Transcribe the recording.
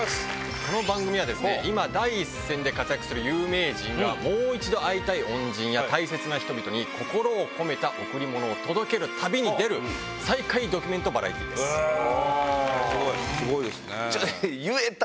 この番組は今、第一線で活躍する有名人がもう一度逢いたい恩人や、大切な人々に、心を込めた贈り物を届けるたびに出る、再会ドキュメントバラエテおー。